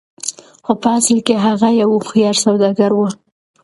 خو په اصل کې هغه يو هوښيار سوداګر و.